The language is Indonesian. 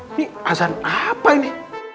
ini hasan apa ini